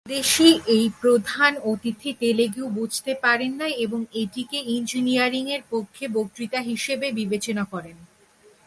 বিদেশী এই প্রধান অতিথি তেলুগু বুঝতে পারেন না এবং এটিকে ইঞ্জিনিয়ারিংয়ের পক্ষে বক্তৃতা হিসাবে বিবেচনা করেন।